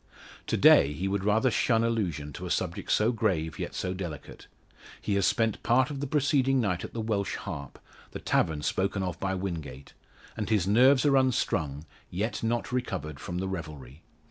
To day he would rather shun allusion to a subject so grave, yet so delicate. He has spent part of the preceding night at the Welsh Harp the tavern spoken of by Wingate and his nerves are unstrung, yet not recovered from the revelry.